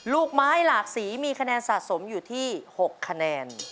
ลูกไม้หลากสีมีคะแนนสะสมอยู่ที่๖คะแนน